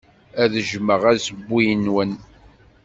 Ad jjmeɣ assewwi-nwen.